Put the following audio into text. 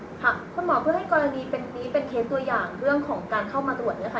คุณหมอเพื่อให้กรณีนี้เป็นเคสตัวอย่างเรื่องของการเข้ามาตรวจเนี่ยค่ะ